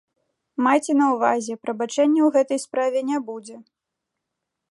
Майце на ўвазе, прабачэння ў гэтай справе не будзе.